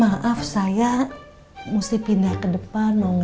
maaf saya mesti pindah ke depan mau